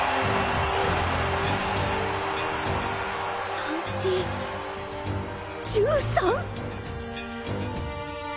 三振１３！？